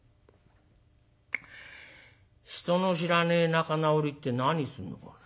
人の知らねえ仲直りって何するのかね。